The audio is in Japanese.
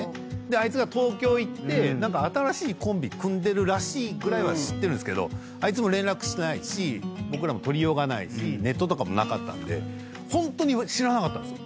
あいつが東京行って。ぐらいは知ってるんですけどあいつも連絡しないし僕らも取りようがないしネットとかもなかったんでホントに知らなかったんですよ